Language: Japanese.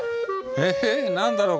え何だろう？